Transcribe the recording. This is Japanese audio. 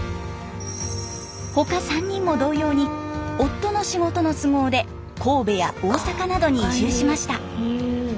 他３人も同様に夫の仕事の都合で神戸や大阪などに移住しました。